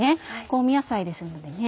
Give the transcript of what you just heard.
香味野菜ですのでね